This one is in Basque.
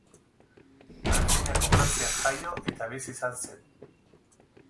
Antzinako Grezian jaio eta bizi izan zen.